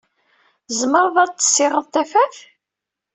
Tzemreḍ ad tessiɣet tafat?